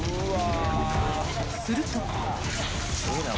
［すると］